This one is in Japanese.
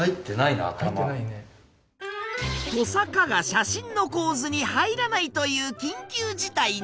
トサカが写真の構図に入らないという緊急事態に。